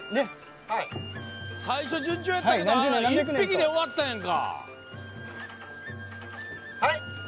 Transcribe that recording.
最初、順調だったけど１匹で終わったやん！